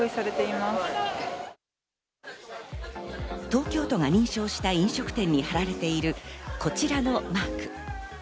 東京都が認証した飲食店に張られている、こちらのマーク。